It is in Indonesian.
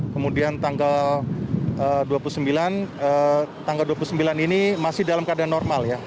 satu ratus lima puluh lima kemudian tanggal dua puluh sembilan tanggal dua puluh sembilan ini masih dalam keadaan normal ya